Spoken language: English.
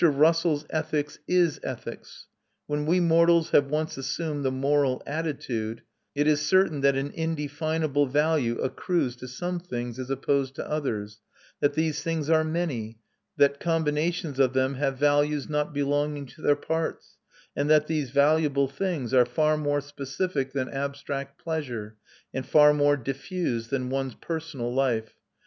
Russell's ethics is ethics. When we mortals have once assumed the moral attitude, it is certain that an indefinable value accrues to some things as opposed to others, that these things are many, that combinations of them have values not belonging to their parts, and that these valuable things are far more specific than abstract pleasure, and far more diffused than one's personal life.